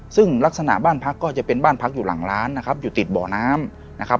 ซึ่งลักษณะบ้านพักก็จะเป็นบ้านพักอยู่หลังร้านนะครับอยู่ติดบ่อน้ำนะครับ